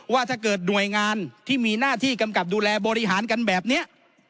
ว่าถ้าเกิดหน่วยงานที่มีหน้าที่กำกับดูแลบริหารกันแบบนี้